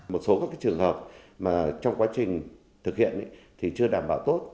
một số các trường hợp mà trong quá trình thực hiện thì chưa đảm bảo tốt